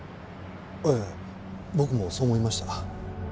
ええ僕もそう思いました。